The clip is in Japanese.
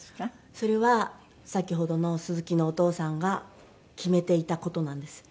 それは先ほどの鈴木のお父さんが決めていた事なんです。